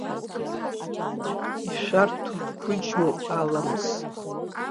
Ишәарҭоу қәыџьмоуп аламыс.